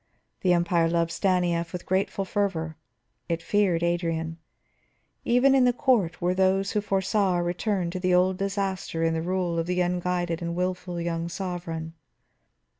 The Empire loved Stanief with grateful fervor, it feared Adrian. Even in the court were those who foresaw a return to old disaster in the rule of the unguided and wilful young sovereign.